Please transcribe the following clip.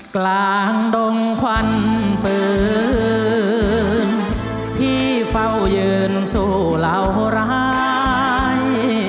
กลางดงควันปืนพี่เฝ้ายืนสู้เหล่าร้าย